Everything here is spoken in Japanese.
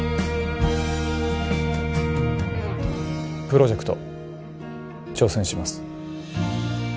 プロジェクト挑戦します